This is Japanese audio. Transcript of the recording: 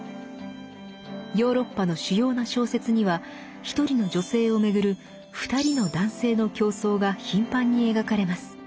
ヨーロッパの主要な小説には１人の女性をめぐる２人の男性の競争が頻繁に描かれます。